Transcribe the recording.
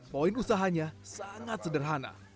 poin usahanya sangat sederhana